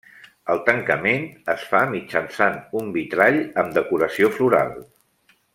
El tancament es fa mitjançant un vitrall amb decoració floral.